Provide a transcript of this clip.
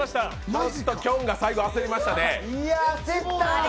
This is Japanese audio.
ちょっときょんが最後焦りましたね。